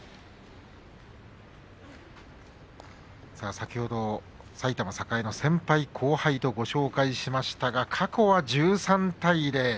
先ほど埼玉栄の先輩・後輩とご紹介しましたが過去１３対０。